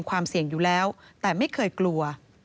ใช่งอยู่แล้วแต่ไม่เคยกลัว